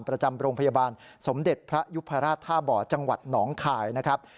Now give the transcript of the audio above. ประจำโรงพยาบาลสมเด็จพระยุพราชท่าบ่อจังหวัดหนองคายนะครับ